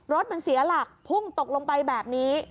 รถมันเสียหลักพุ่งตกลงไปแบบนี้